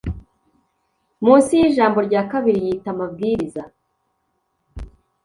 Munsi yijambo rya kabiri yita amabwiriza